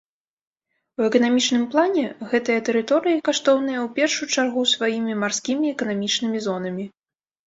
У эканамічным плане гэтыя тэрыторыі каштоўныя ў першую чаргу сваімі марскімі эканамічнымі зонамі.